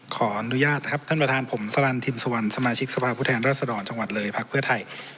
ขออนุญาตครับท่านประธานผมสรันทิมสวรรค์สมาชิกสภาพุทธแห่งราษฎรจังหวัดเลยภาคเพื้อไทย